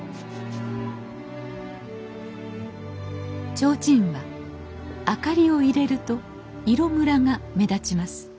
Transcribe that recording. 提灯は明かりを入れると色むらが目立ちます